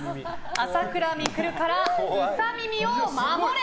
朝倉未来からウサ耳を守れ！